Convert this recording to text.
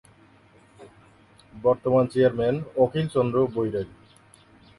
বর্তমান চেয়ারম্যান- অখিল চন্দ্র বৈরাগী